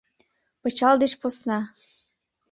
Пычал деч посна.